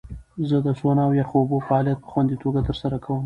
زه د سونا او یخو اوبو فعالیت په خوندي توګه ترسره کوم.